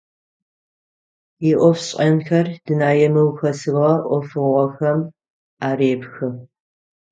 Иӏофшӏэнхэр дунэе мыухэсыгъэ ӏофыгъохэм арепхы.